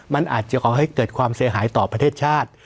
มันอาจจะก่อให้เกิดความเสียหายต่อประเทศชาติ